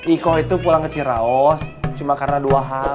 iko itu pulang ke ciraos cuma karena dua hal